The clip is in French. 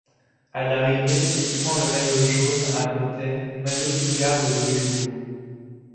À l'arrivée, il prend le maillot jaune à Mottet, maillot qu'il garde deux jours.